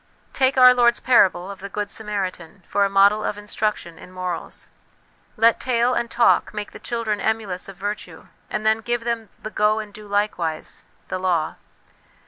Take our Lord's parable of the * Good Samaritan ' for a model of instruction in morals. Let tale and talk make the children emulous of virtue, and then give them the " Go and do likewise," the law.